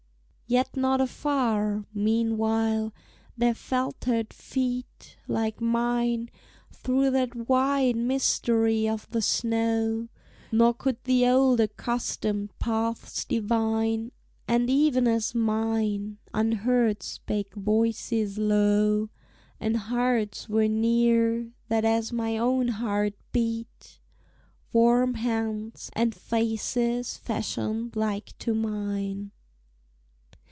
Yet not afar, meanwhile, there faltered feet Like mine, through that wide mystery of the snow, Nor could the old accustomed paths divine; And even as mine, unheard spake voices low, And hearts were near, that as my own heart beat, Warm hands, and faces fashioned like to mine.